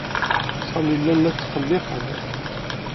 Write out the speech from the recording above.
Sami llan la t-ttqelliqen.